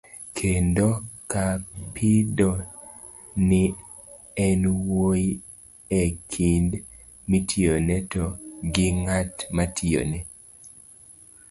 kendo, kadipo ni en wuoyo e kind mitiyone to gi ng'at matiyone,